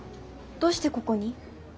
どうしてここに？